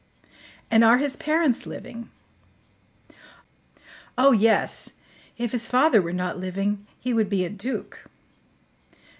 "And are his parents living?" "Oh yes; if his father were not living he would be a duke."